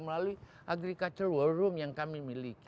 melalui agriculture war room yang kami miliki